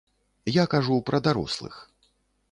Я кажу пра дарослых.